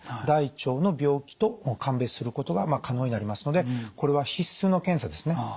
大腸の病気と鑑別することが可能になりますのでこれは必須の検査ですね。